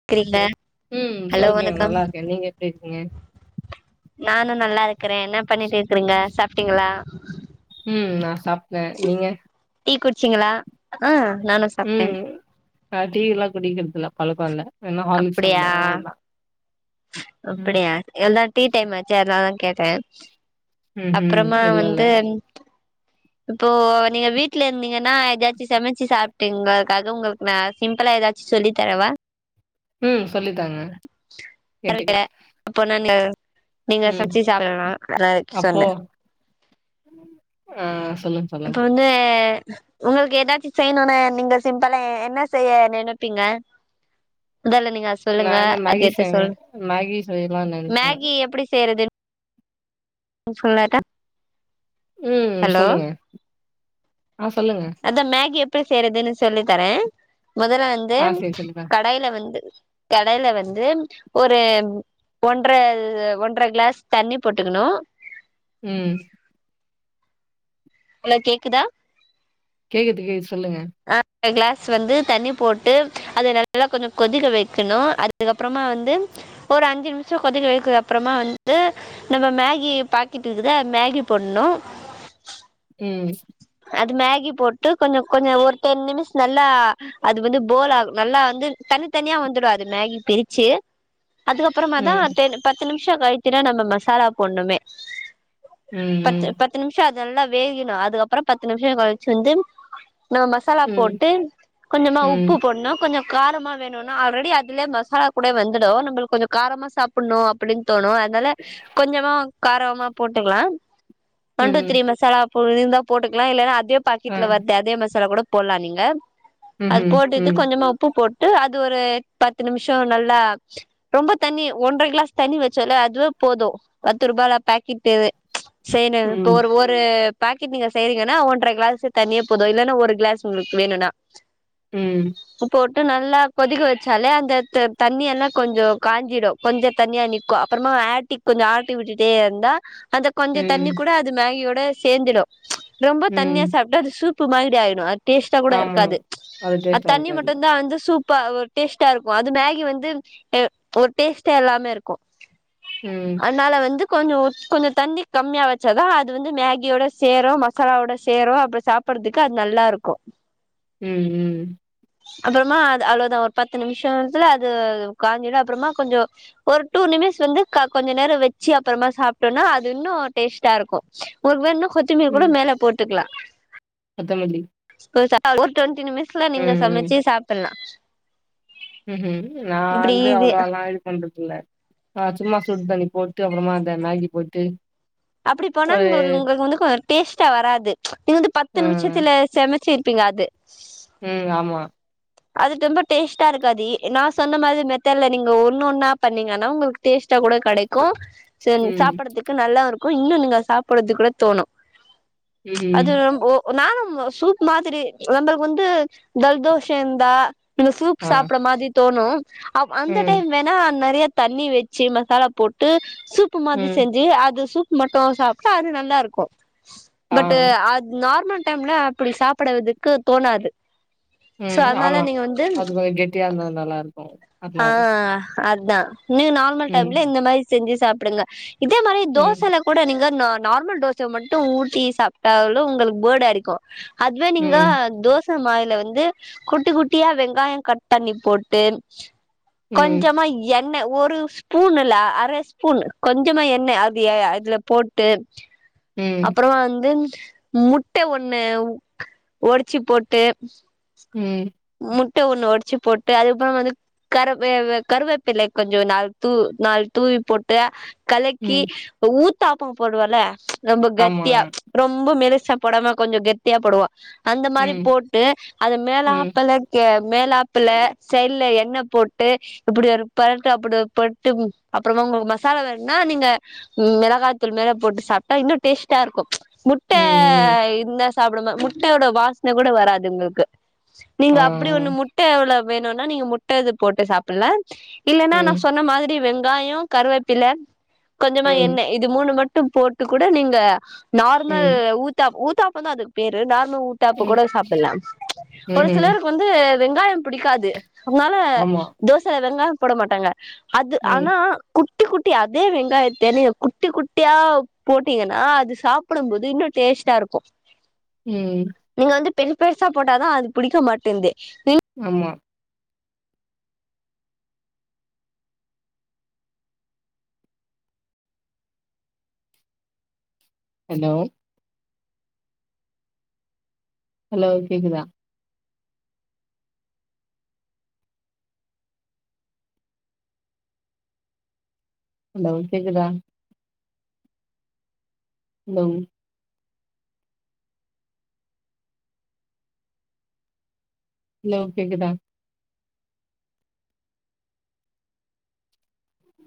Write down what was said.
[unintelligible] ம் ஹலோ சௌகியொ வணக்கம் நல்லார்க்கே நீங்க எப்டி இருக்கீங்க நானு நல்லா இருக்குறே என்ன பண்ணிட்டு இருக்கிறீங்க சாப்பிட்டீங்களா ம் நா சாப்பிட்டே நீங்க டீ குடிச்சிங்களா ஆ நானு சாப்ட்டே ம் நா டீ எல்லா குடிக்கிறதுல பழக்கோ இல்ல வேணா ஹார்லிக்ஸ் அப்டியா சாப்டுவே அவ்ளோதா ம் அப்டியா எல்லா டீ டைமாச்சு அதனால்லதா கேட்டே ம்ஹும் அப்புறமா இல்ல இல்ல வந்து இப்போ நீங்க வீட்டுல இருந்தீங்கன்னா ஏதாச்சு சமைச்சி சாப்ட்டீங்களுக்காக உங்களுக்கு நாளைக்கு சிம்பிளா ஏதாச்சு சொல்லி தரவா ம் சொல்லி தாங்க [unintelligible] அப்பனாங்க நீங்க ம் சமைச்சி சாப்டுகலா அதல்ல அப்போ சொன்னேன் ஆ சொல்லுங் இப்போ வந்து உங்களுக் எதாச்சு செய்யணுன்னு நீங்க சிம்பிளே என்ன செய்ய நினப்பீங்க அதல்ல நீங்க நா சொல்லுங்க என்ன மேகி அக்கேத்த செய்வே சொல் மேகி செய்யலான் நெனைப்பே மேகி எப்படி செய்யறது சொல்லட்டா ம் ஹலோ சொல்லுங்க ஆ சொல்லுங்க அதா மேகி எப்படி செய்யறதுன்னு சொல்லி தரே முதல்ல வந்து ஆ சேரி சொல்லித்தா கடாயில வந்து கடாயில வந்து ஒரு ஒன்ற ஒன்ற கிளாஸ் தண்ணி போட்டுக்குணு ம் அலோ கேக்குதா கேக்குது கேக் சொல்லுங்க அ கிளாஸ் வந்து தண்ணி போட்டு அத நல்லா கொஞ்ச கொதிக்க வைக்கணு அதுக்கப்புறமா வந்து ஒரு அஞ்சு நிமிஷ கொதிக்க வைக்குது அப்புறமா வந்து நம்ம மேகி பாக்கிட்டு இருக்குத மேகி போட்னு ம் அது மேகி போட்டு கொஞ்சம் கொஞ்ச ஒரு டென் நிமிட்ஸ் நல்லா அது வந்து போலாகு நல்லா வந்து தனி தனியா வந்துடு அது மேகி பிரிச்சு அதுக்கப்பறமாதா ம் தேன்னு பத்து நிமிஷோ கழித்தினா நம்ம மசாலா பொட்ணுமே ம் பத்து ம் பத்து நிமிஷ அது எல்லா வேகணு அது அப்பறம் பத்து நிமிஷம் கழ்ச்சு வந்து நம் மசாலா போட்டு கொஞ்சமா உப்பு ம் போட்ணு கொஞ்சோ காரமா வேணுன்னா ஆல்ரெடி அதுலயே மசாலா கூட வந்துடு நம்பளுக் கொஞ்ச காரமா சாப்பட்ணு அப்படின் தோணு னால கொஞ்சமா காரமா போட்டுக்கலா ஒன் ம் டு ம் த்தி மசாலா பு ந்தா போட்டுக்கலா இல்லன்னா அதே ஆ பாக்கெட்ல வர்தே அதே மசாலா கூட போல்லா நீங்க அது ம்ஹும் போட்டுட்டு ம் கொஞ்சமா உப்பு போட்டு அது ஒரு பத்து நிமிஷோ நல்லா ரொம்ப தண்ணி ஒன்றை கிளாஸ் தண்ணி வச்சோல அதுவே போது பத்து ரூபால பேக்கெட்டு சேனு இப்ப ம் ஒரு ஒரு பாக்கெட் நீங்க செய்ரீங்கன்னா ஒன்ற கிளாஸ்சு தண்ணியே போது இல்லன்னா ஒரு கிளாஸ் உங்களுக்கு வேணுன்னா ம் போட்டு நல்லா கொதிக்க வச்சாலே அந்த த தண்ணியெல்லா கொஞ்சோ காஞ்சிடு கொஞ்ச தண்ணியா நி க அப்பறமா ஆடிக் கொஞ்ச ஆர்டி விட்டுட்டே ந்தா அந்த கொஞ்ச தண்ணி ம், கூட அது மேகியோட சேந்துடு ரொம்ப ம். தண்ணியா சாப்ட்டா அது சூப்பு மாரிடி ஆயிடு அ டேஸ்ட்டா கூட ஆமா. இருக்காது அது அத் டேஸ்ட்டா தண்ணி இருக்காது. மட்டுந்தா வந்து சூப் ப ஒரு டேஸ்ட்டா இருக்கு அது மேகி வந்து ஒரு டேஸ்ட்டா இல்லாமே இருக்கு ம் அன்னால வந்து கொஞ்சோ கொஞ்ச தண்ணி கம்மியா வச்சாதா அது வந்து மேகியோட சேரு மசாலாவோட சேரு அப்ப சாப்படுறதுக்கு அது நல்லா இருக்கு ம் ம் அப்புறமா அது அவ்வளவுதா ஒரு பத்து நிமிஷத்துல அது காஞ்சிடு அப்பறமா கொஞ்சோ ஒரு டூ நிமிட்ஸ் வந்து க கொஞ்ச நேர வெச்சு அப்புறமா சாப்ட்டோன்னா அது இன்னு டேஸ்ட்டா இருக்கு ஒரு பேர் இன்னு கொத்தமீர் கூட ம். மேல போட்டுக்கலா கொத்தமல்லி [inaudible] ஒரு டொண்டி நிமிஸ்ல நீங்க ம், சமைச்சு சாப்பல்லா ம் ம் நா வந்து இது அவ்லல்லா பண்றதுல்லா நா சும்மா சுட் தண்ணி போட்டு அப்புறமா அந்த மேகி போட்டு அப்படி போனா ஒரு உங்களுக்கு உங்களுக்கு வந்து டேஸ்ட்டா வராது வந்து அ, பத்து நிமிஷத்துல சமைச்சிருப்பீங்க அது ம் ஆமா அது ரொம்ப டேஸ்டா இருக்காது நா சொன்ன மாரி மெத்தட்ல நீங்க ஒண்ணு ஒண்ணா பண்ணீங்கன்னா உங்களுக்கு டேஸ்ட்டா கூட கெடைக்கு சரிங் ம், சாப்படறதுக்கு நல்லா இருக்கு இன்னு நீங்க சாப்படறதுக்கு கூட தோணு அது ம். ஒ நானு ஒ சூப் மாதிரி நமக்கு வந்து தல் தோ சேந்தா இந்த சூப் ஆ. சாப்பட மாதிரி தோணு அவ் அந்த ம், டைம் வேணா நெறையா தண்ணி வெச்சு மசாலா போட்டு சூப் பு மாதிரி ம். செஞ்சு அது சூப் மட்டு சாப்ட்டா அது நல்லாருக்கு ஆ. பட் அது நார்மல் டைம்ல அப்டி சாப்படுவதுக்கு தோணாது சோ ம். அதனால ஆமா. நீங்க வந்து அது கொஞ்சம் கெட்டியா இருந்தா நல்லாருக்கும். ஆ அதனால. அதுதா நீங்க நார்மல் ம், டைம்ல இந்த மாதிரி செஞ்சு சாப்பிடுங்க இதே மாதிரி ம், தோசல கூட நீங்க ந நார்மல் டோசைய மட்டு ஊட்டி சாப்ட்டாலு உங்களுக்கு பேர்டா அடிக்கு அதுவே நீங்க ம், தோச மாயில வந்து குட்டி குட்டியா வெங்காயோ கட் பண்ணி போட்டு ம், கொஞ்சமா எண்ண ஒரு ஸ்பூன் இல அ அர ஸ்பூன் கொஞ்சமா எண்ணெய் அது அதில போட்டு [inaudible] ம், அப்பறமா வந்து முட்ட ஒண்ணு ஒடச்சு போட்டு ம் முட்ட ஒண்ணு ஒடச்சு போட்டு அதுக்கப்பறோ வந்து கரவே வே கருவேப்பில கொஞ்சோ நா தூ நாலு தூவி போட் டு கலக்கி ம். ஊத்தாப்பம் போடுவோல ரொம்ப ஆமா. கெட்டியா ரொம்ப ரொம்ப மெலிசா போடாம கொஞ்சோ கெட்டியா போடுவோ அந்த மாரி ம், போட்டு அது ம், மேலாப்ல க்கே மேலாப்புல சைல்ல எண்ண போட்டு இப்படி ஒரு பெறட்டு அப்படி பெறட்டு அப்பறமா உங்களுக்கு மசாலா வேணும்னா நீங்க மெளகா தூள் மேல போட்டு சாப்ட்டா இன்னு டேஸ்ட்டா இருக்கு ம் ம் இருந்தா சாப்புடுமே முட்டயோட வாசன கூட வராது உங்களுக்கு ஆ, நீங்க அப்டி ஆ. ஒண்ணு முட் முட்ட உள்ள வேனுனா நீங்க முட்ட இது போட்டு சாப்பலா இல்லன்னா நா ம், சொன்ன மாதிரி வெங்காயோ கருவேப்பில கொஞ்சமா ம், எண்ண இது மூணு மட்டு போட்டு கூட நீங்க நார்மல் ம், ஊத்தா ஊத்தாப்பம்தா அதுக்கு பேரு நார்மல் ஊத்தாப்போ ம், கூட சாப்பல்லா ஒரு ம்ஹ்ம். சிலருக்கு வந்து வெங்காயம் பிடிக்காது அதனால ஆமா. தோசல வெங்காயம் போட மாட்டாங்க அது ம், ஆனா குட்டி குட்டி அதே வெங்காயத்த நீ குட்டி குட்டியா போட்டீங்கன்னா அது சாப்படும் போது இன்னு டேஸ்டா இருக்கு ம் நீங்க வந்து பெரு பெருசா போட்டாதா அது புடிக்க மாட்டேன்து நீ ஆமா ஹலோ ஹலோ கேக்குதா ஹலே கேக்குதா ஹலோ ஹலோ கேக்குதா